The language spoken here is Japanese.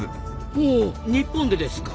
ほう日本でですか。